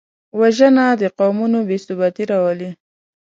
وژنه د قومونو بېثباتي راولي